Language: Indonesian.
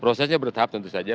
prosesnya bertahap tentu saja